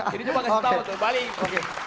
jadi coba kasih tau balik